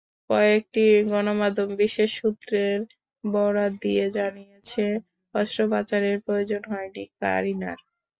কয়েকটি গণমাধ্যম বিশেষ সূত্রের বরাত দিয়ে জানিয়েছে, অস্ত্রোপচারের প্রয়োজন হয়নি কারিনার।